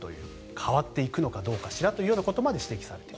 変わっていくのかどうかということも指摘されている。